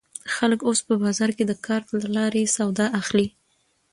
خلک اوس په بازار کې د کارت له لارې سودا اخلي.